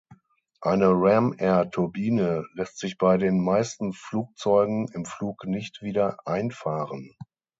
Eine Ram-Air-Turbine lässt sich bei den meisten Flugzeugen im Flug nicht wieder einfahren.